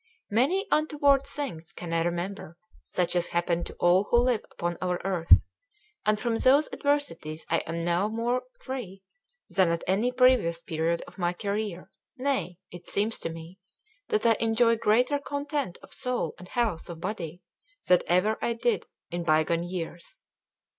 Many untoward things can I remember, such as happen to all who live upon our earth; and from those adversities I am now more free than at any previous period of my career nay, it seems to me that I enjoy greater content of soul and health of body than ever I did in bygone years.